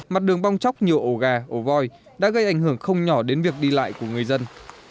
mặt đường bong chóc nhiều ổ gà ổ voi đã gây ảnh hưởng không nhỏ đến việc đi lại của người dân